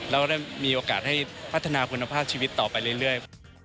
แล้วได้มีโอกาสให้พัฒนาคุณภาพชีวิตต่อไปเรื่อย